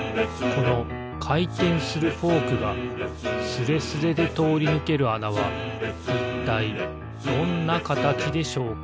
このかいてんするフォークがスレスレでとおりぬけるあなはいったいどんなかたちでしょうか？